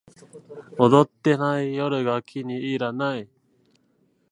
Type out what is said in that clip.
踊ってない夜が気に入らない